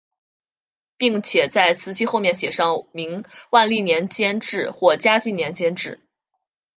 并且在瓷器后面写上明万历年间制或嘉靖年间制。